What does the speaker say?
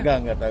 gak gak tahu